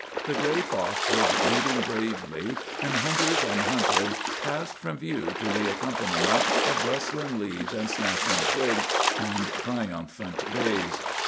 The gray fox was leading bravely, and hunters and hunted passed from view to the accompaniment of rustling leaves and snapping twigs and triumphant bays.